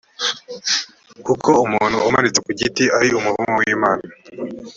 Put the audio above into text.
kuko umuntu umanitse ku giti ari umuvumo w’imana.